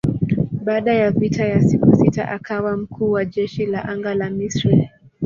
Baada ya vita ya siku sita akawa mkuu wa jeshi la anga la Misri.